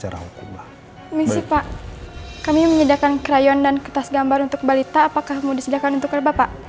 ini sih pak kami menyediakan krayon dan kertas gambar untuk balita apakah mau disediakan untuk kerba pak